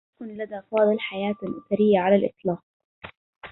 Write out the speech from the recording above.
لم تكُن لدى فاضل حياة أُسريّة على الإطلاق.